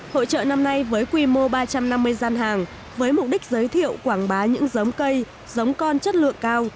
hội trợ năm nay với quy mô ba trăm năm mươi gian hàng với mục đích giới thiệu quảng bá những giống cây giống con chất lượng cao